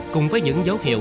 cùng với những dấu hiệu